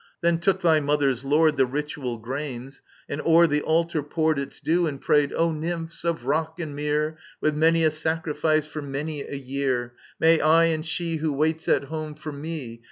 Then took thy mother's lord The ritual grains, and 6*er the altar poured Its due, and prayed :O Nymphs of Rock and Mere, With many a sacrifice for many a year, May I and she who waits at home for me.